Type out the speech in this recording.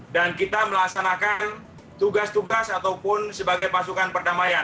dan kita melaksanakan tugas tugas ataupun sebagai pasukan perdamaian